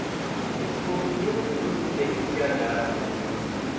اس کو کیوں درست نہیں کیا جا رہا؟